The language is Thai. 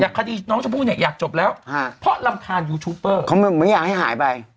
แต่คดีน้องชมพู่เนี่ยอยากจบแล้วเพราะรำคาญยูทูปเปอร์เขาไม่อยากให้หายไป